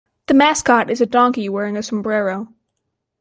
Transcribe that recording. The mascot is a donkey wearing a sombrero.